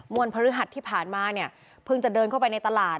พฤหัสที่ผ่านมาเนี่ยเพิ่งจะเดินเข้าไปในตลาด